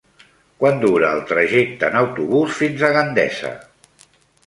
Quant dura el trajecte en autobús fins a Gandesa?